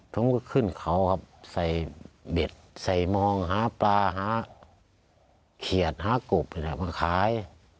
ผมก็ขึ้นเขาครับใส่เบ็ดใส่มองหาปลาหาเขียดหากบมาขาย